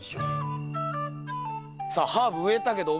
さあハーブ植えたけど覚えてる？